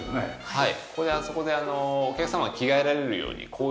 はい。